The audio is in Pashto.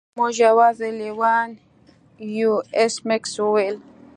موږ یوازې لیوان یو ایس میکس وویل